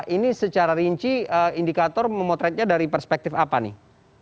ini secara rinci indikator memotretnya dari perspektif apa nih